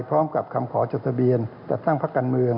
พร้อมกับคำขอจดทะเบียนจัดตั้งพักการเมือง